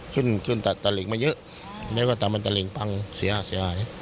ขึ้นตาตรันลิ้งไม่เยอะแล้วก็ตามมันตาลิ่งบังเสียเลย